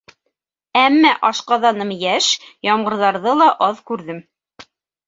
Әммә ашҡаҙаным йәш, ямғырҙарҙы ла аҙ күрҙем.